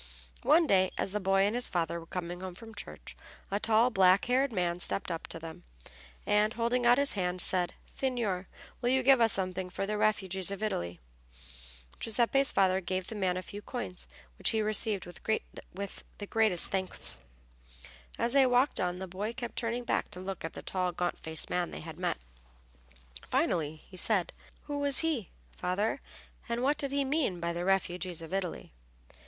One day, as the boy and his father were coming home from church a tall, black haired man stepped up to them, and, holding out his hand, said, "Signor, will you give us something for the refugees of Italy?" Giuseppe's father gave the man a few coins, which he received with the greatest thanks. As they walked on the boy kept turning back to look at the tall gaunt faced man they had met. Finally he said, "Who was he, father, and what did he mean by the refugees of Italy?"